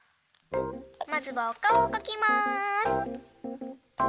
まずはおかおをかきます。